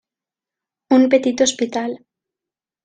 Un petit hospital.